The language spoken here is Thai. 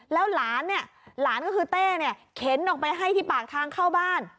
แล้วหลานเนี่ยหลานก็คือเต้เนี่ยเข็นออกไปให้ที่ปากทางเข้าบ้าน